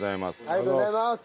ありがとうございます。